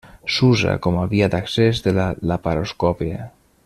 S'usa com a via d'accés de la laparoscòpia.